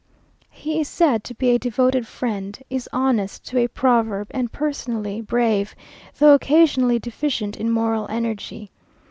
He is said to be a devoted friend, is honest to a proverb, and personally brave, though occasionally deficient in moral energy.